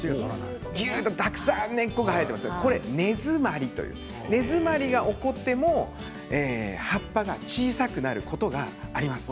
ぎゅっとたくさん根っこが生えていて根詰まりが起こっても葉っぱが小さくなることがあります。